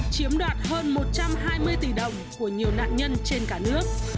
chiếm đoạt hơn một trăm hai mươi tỷ đồng của nhiều nạn nhân trên cả nước